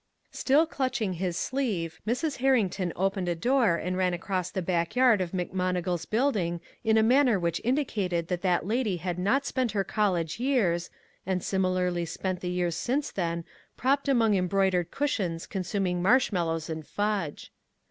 Still clutching his sleeve, Mrs. Herrington opened a door and ran across the back yard of McMonigal's building in a manner which indicated that that lady had not spent her college years (and similarly spent the years since then propped among embroidered cushions consuming marshmallows and fudge.)